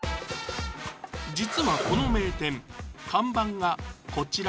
実はこの名店看板がこちら！